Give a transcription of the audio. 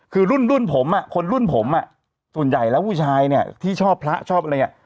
คือรุ่นรุ่นผมอ่ะคนรุ่นผมอ่ะส่วนใหญ่แล้วผู้ชายเนี่ยที่ชอบพระชอบอะไรอ่ะ